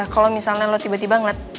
kalau misalnya lo tiba tiba ngeliat